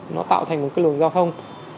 nó tạo thành một cái lường giao thông